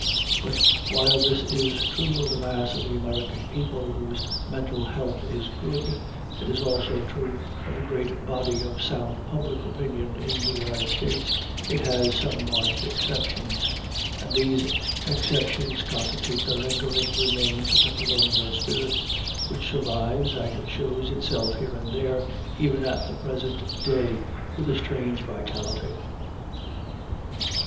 But while this is true of the mass of the American people whose mental health is good, and is also true of the great body of sound public opinion in the United States, it has some marked exceptions; and these exceptions constitute the lingering remains of the colonial spirit, which survives, and shows itself here and there even at the present day, with a strange vitality.